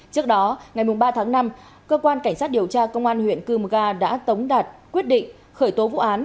trước đó ngày ba tháng năm cơ quan cảnh sát điều tra công an huyện cư mơ ga đã tống đạt quyết định khởi tố vụ án